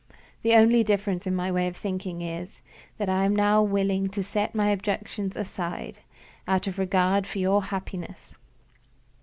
The only difference in my way of thinking is, that I am now willing to set my objections aside, out of regard for your happiness.